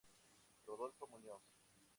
Rodolfo Muñoz.